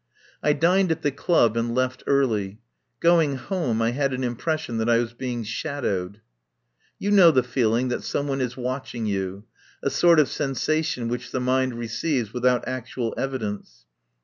I dined at the club and left early. Going home, I had an impression that I was being shadowed. You know the feeling that some one is watching you, a sort of sensation which the mind receives without actual evidence.